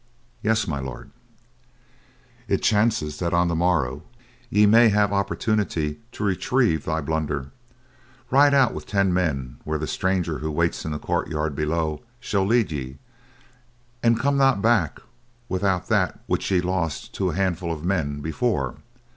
"Yes, My Lord." "It chances that on the morrow ye may have opportunity to retrieve thy blunder. Ride out with ten men where the stranger who waits in the courtyard below shall lead ye, and come not back without that which ye lost to a handful of men before.